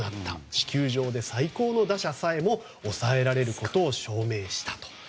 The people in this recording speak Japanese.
地球上で最高の打者さえも抑えられることを証明したと。